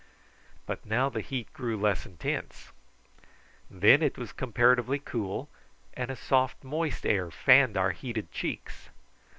But now the heat grew less intense. Then it was comparatively cool, and a soft moist air fanned our heated cheeks.